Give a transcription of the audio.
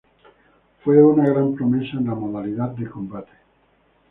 Fue una gran promesa en la modalidad de combate.